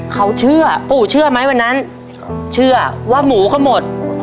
เขาเชื่อปู่เชื่อไหมวันนั้นเชื่อว่าหมูเขาหมด